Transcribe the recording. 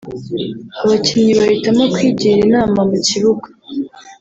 Abakinnyi bahitamo kwigira inama mu kibuga